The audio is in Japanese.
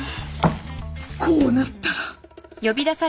こうなったら。